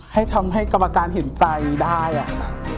ให้ทำให้กรรมการเห็นใจได้อะ